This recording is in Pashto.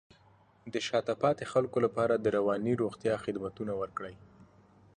د شاته پاتې خلکو لپاره د رواني روغتیا خدمتونه ورکړئ.